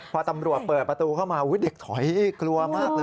พอตำรวจเปิดประตูเข้ามาเด็กถอยกลัวมากเลย